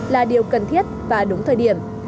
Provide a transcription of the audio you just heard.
là điều cần thiết và đúng thời điểm